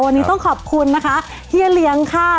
วันนี้ต้องขอบคุณนะคะเฮียเลี้ยงค่ะ